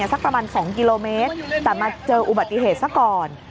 สักประมาณ๒กิโลเมตรแต่มาเจออุบัติเหตุซะก่อน